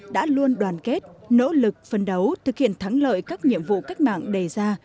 đã luôn đoàn kết nỗ lực phân đấu thực hiện thắng lợi các nhiệm vụ cách mạng đề ra